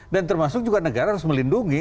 dan termasuk juga negara harus melindungi